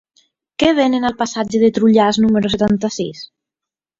Què venen al passatge de Trullàs número setanta-sis?